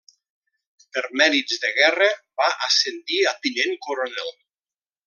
Per mèrits de guerra va ascendir a Tinent coronel.